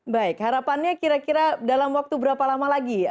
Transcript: baik harapannya kira kira dalam waktu berapa lama lagi